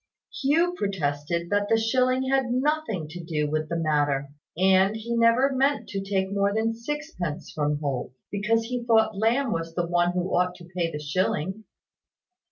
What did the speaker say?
Hugh protested that the shilling had nothing to do with the matter; and he never meant to take more than sixpence from Holt, because he thought Lamb was the one who ought to pay the shilling.